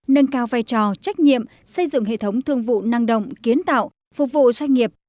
nâng cao vai trò trách nhiệm xây dựng hệ thống thương vụ năng động kiến tạo phục vụ doanh nghiệp